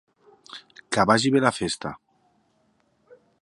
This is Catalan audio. Que vagi bé la festa.